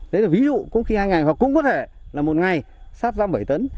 đấy là ví dụ cũng khi hai ngày hoặc cũng có thể là một ngày sát ra bảy tấn